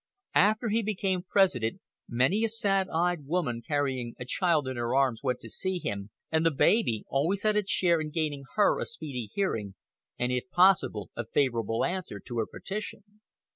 After he became President many a sad eyed woman carrying a child in her arms went to see him, and the baby always had its share in gaining her a speedy hearing, and if possible a favorable answer to her petition.